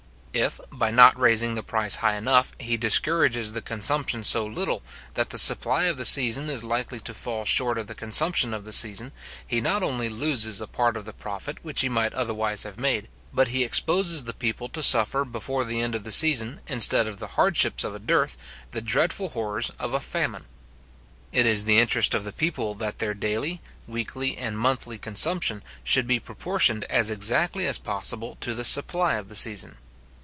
If, by not raising the price high enough, he discourages the consumption so little, that the supply of the season is likely to fall short of the consumption of the season, he not only loses a part of the profit which he might otherwise have made, but he exposes the people to suffer before the end of the season, instead of the hardships of a dearth, the dreadful horrors of a famine. It is the interest of the people that their daily, weekly, and monthly consumption should be proportioned as exactly as possible to the supply of the season.